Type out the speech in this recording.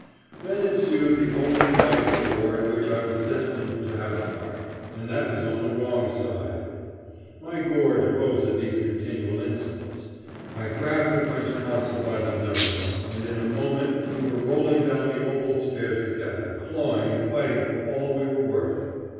Then ensued the only fight of the war in which I was destined to have a part, and that on the wrong side. My gorge rose at these continual insults. I grabbed the French Consul by the nose, and in a moment we were rolling down the oval stairs together, clawing and fighting for all we were worth.